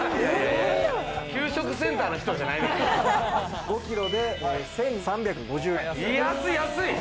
給食センターの人じゃないね５キロで１３５０円。